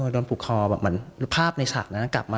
โดนผูกคอเหมือนภาพในฉากนั้นกลับมา